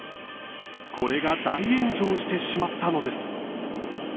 これが大炎上してしまったのです。